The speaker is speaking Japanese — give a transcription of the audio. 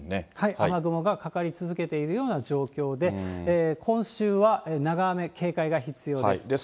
雨雲がかかり続けているような状況で、今週は長雨警戒が必要です。